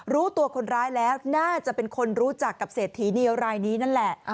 รู้ตัวคนร้ายแล้วน่าจะเป็นคนรู้จักกับเศรษฐีนีวรายนี้นั่นแหละ